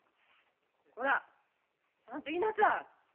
こらちゃんと言いなさい。